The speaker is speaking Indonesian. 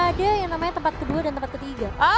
ada yang namanya tempat kedua dan tempat ketiga